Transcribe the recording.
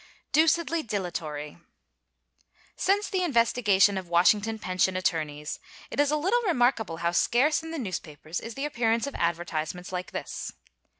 Doosedly Dilatory. Since the investigation of Washington pension attorneys, it is a little remarkable how scarce in the newspapers is the appearance of advertisements like this.